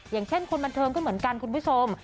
อย่างเช่นคนบันเทิงก็เหมือนกันคุณผู้ชม